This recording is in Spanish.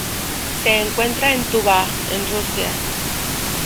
Se encuentra en Tuvá en Rusia.